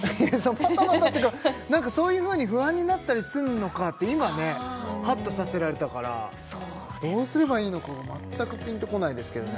バタバタっていうかなんかそういうふうに不安になったりすんのかって今ハッとさせられたからどうすればいいのか全くピンとこないですけどね